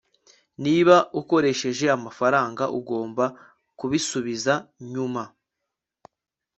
niba ukoresheje amafaranga, ugomba kubisubiza nyuma